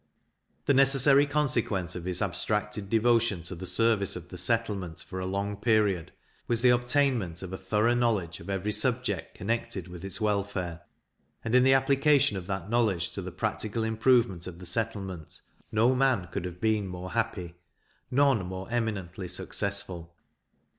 The necessary consequence of his abstracted devotion to the service of the settlement, for a long period, was the obtainment of a thorough knowledge of every subject connected with its welfare; and in the application of that knowledge to the practical improvement of the settlement, no man could have been more happy, none more eminently successful.